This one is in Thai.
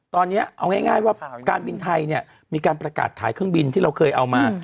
ตอนนี้เอาง่ายว่าการบินไทยเนี่ยมีการประกาศขายเครื่องบินที่เราเคยเอามา